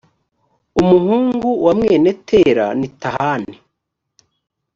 umuhungu wa mwene tela ni tahani